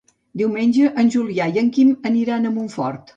Diumenge en Julià i en Quim aniran a Montfort.